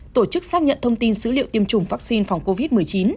tổ chức xác nhận thông tin dữ liệu tiêm chủng vaccine phòng covid một mươi chín